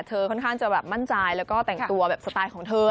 ค่อนข้างจะแบบมั่นใจแล้วก็แต่งตัวแบบสไตล์ของเธอ